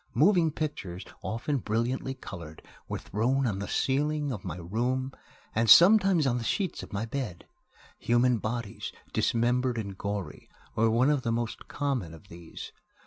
Moving pictures, often brilliantly colored, were thrown on the ceiling of my room and sometimes on the sheets of my bed. Human bodies, dismembered and gory, were one of the most common of these.